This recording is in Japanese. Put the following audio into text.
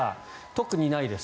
特にないです